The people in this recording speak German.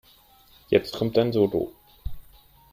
Jetzt kommt dein Solo.